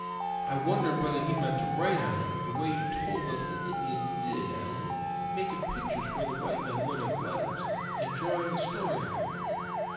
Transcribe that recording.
"I wondered whether he meant to write on it, the way you told us the Indians did, Allan; making pictures where white men would have letters, and drawing the story out.